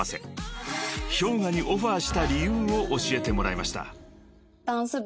［ＨｙＯｇＡにオファーした理由を教えてもらいました］